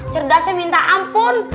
cerdasnya minta ampun